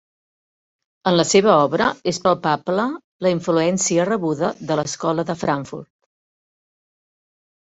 En la seua obra és palpable la influència rebuda de l'Escola de Frankfurt.